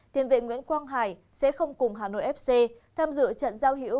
thiên vệ nguyễn quang hải sẽ không cùng hà nội fc tham dự trận giao hiểu